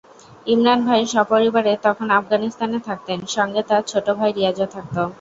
ইমরান ভাই সপরিবারে তখন আফগানিস্তানে থাকতেন, সঙ্গে তাঁর ছোট ভাই রিয়াজও থাকত।